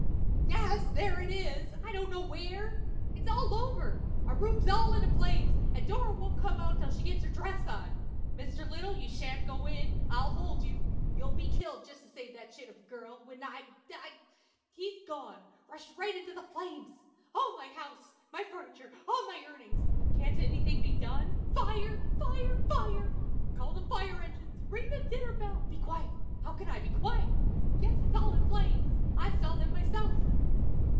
"Yes, there is! I don't know where! It's all over our room's all in a blaze, and Dora won't come out till she gets her dress on. Mr. Little, you shan't go in I'll hold you you'll be killed just to save that chit of a girl, when I I He's gone rushed right into the flames. Oh, my house! my furniture! all my earnings! Can't anything be done? Fire! fire! fire! Call the fire engines! ring the dinner bell! Be quiet! How can I be quiet? Yes, it is all in flames. I saw them myself!